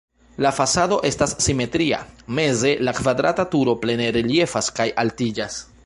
La fasado estas simetria, meze la kvadrata turo plene reliefas kaj altiĝas.